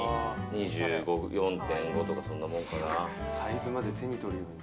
２４．５とか、そんなもんかな。